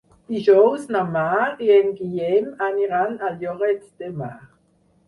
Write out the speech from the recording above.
Dijous na Mar i en Guillem aniran a Lloret de Mar.